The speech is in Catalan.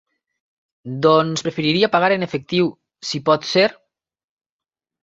Doncs preferiria pagar en efectiu, si pot ser?